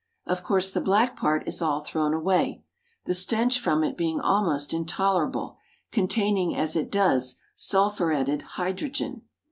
Of course, the black part is all thrown away, the stench from it being almost intolerable, containing, as it does, sulphuretted hydrogen.